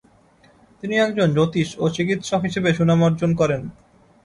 তিনি একজন জ্যোতিষ ও চিকিৎসক হিসেবে সুনাম অর্জন করেন।